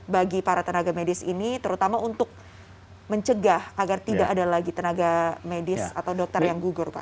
bagi para tenaga medis ini terutama untuk mencegah agar tidak ada lagi tenaga medis atau dokter yang gugur pak